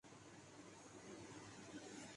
گندم کے بحران کے ملکی معیشت پر کیا اثرات ہوں گے